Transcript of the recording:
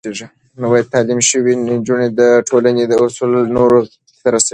تعليم شوې نجونې د ټولنې اصول نورو ته رسوي.